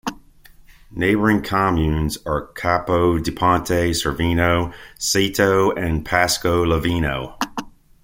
Neighbouring communes are Capo di Ponte, Cerveno, Ceto and Paisco Loveno.